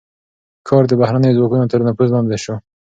ښار د بهرنيو ځواکونو تر نفوذ لاندې شو.